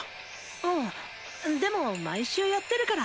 ウンでも毎週やってるから。